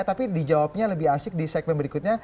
tapi di jawabnya lebih asik di segmen berikutnya